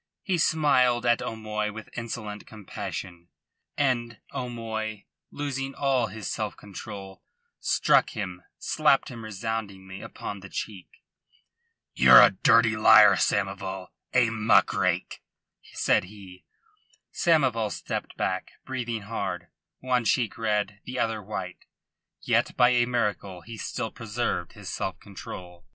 He smiled at O'Moy with insolent compassion, and O'Moy, losing all his self control, struck him slapped him resoundingly upon the cheek. "Ye're a dirty liar, Samoval, a muck rake," said he. Samoval stepped back, breathing hard, one cheek red, the other white. Yet by a miracle he still preserved his self control.